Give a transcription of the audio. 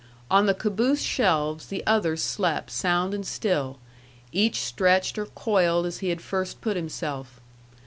On the caboose shelves the others slept sound and still, each stretched or coiled as he had first put himself.